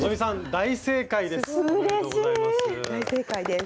大正解です。